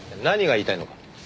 何が言いたいのか。